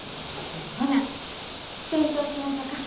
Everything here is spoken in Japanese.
ほな点灯しましょか。